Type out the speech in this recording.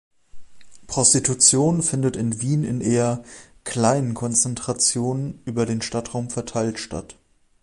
Prostitution findet in Wien in eher „kleinen Konzentrationen“ über den Stadtraum verteilt statt.